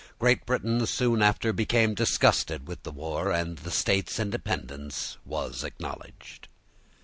Great Britain soon after became disgusted with the war; and the States' independence was acknowledged.